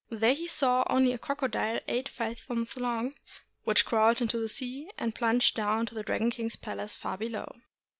There he saw only a crocodile eight fathoms long, which crawled into the sea, and plunged down to the Dragon King's palace far below.